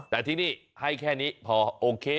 แต่ที่นี่ให้แค่นี้พอโอเค